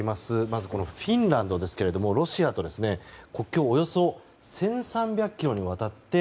まずフィンランドですがロシアと国境をおよそ１３００ｋｍにわたって